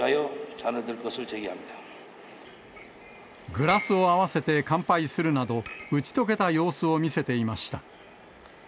グラスを合わせて乾杯するなど、打ち解けた様子を見せていました。